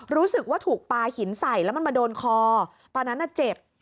รู้สึกว่าถูกปลาหินใส่แล้วมันมาโดนคอตอนนั้นน่ะเจ็บ